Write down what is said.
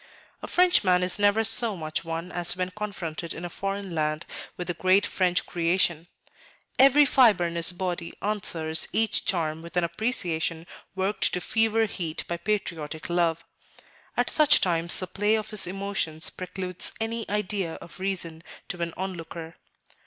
A Frenchman is never so much one as when confronted in a foreign land with a great French creation; every fibre in his body answers each charm with an appreciation worked to fever heat by patriotic love; at such times the play of his emotions precludes any idea of reason to an onlooker.